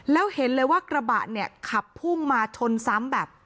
แล้วเห็นเลยว่ากระบะเนี่ยขับพุ่งมาชนซ้ำแบบ